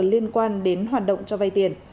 liên quan đến hoạt động cho vay tiền